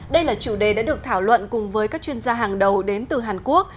đây là chủ đề đã được thảo luận cùng với các chuyên gia hàng đầu đến từ hàn quốc